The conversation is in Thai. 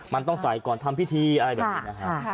มันต้องใส่ก่อนทำพิธีอะไรแบบนี้นะครับ